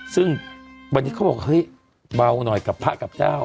ซึ่งวันนี้เขาบอกเฮ้ยเบาหน่อยกับพระกับเจ้า